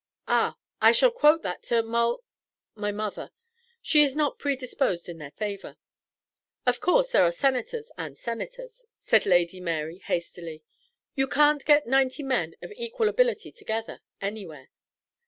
"Ah! I shall quote that to Mol my mother. She is not predisposed in their favour." "Of course there are Senators and Senators," said Lady Mary, hastily. "You can't get ninety men of equal ability together, anywhere.